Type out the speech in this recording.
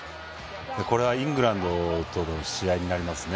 これはイングランドとの試合になりますね。